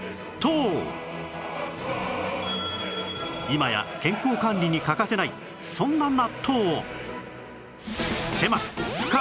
今や健康管理に欠かせないそんな納豆を